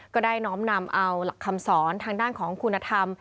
ก็ได้น้อมนำเอาหลักคำสอนทางด้านของคุณธรรม